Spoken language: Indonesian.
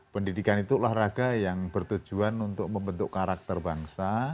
pendidikan itu olahraga yang bertujuan untuk membentuk karakter bangsa